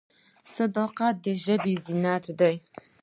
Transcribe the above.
صداقت د ژبې زینت دی.